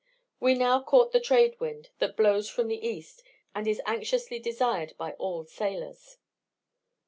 We now caught the trade wind, that blows from the east, and is anxiously desired by all sailors.